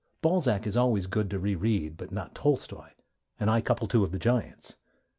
Balzac is always good to re read, but not Tolstoi: and I couple two of the giants.